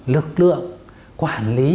lực lượng quản lý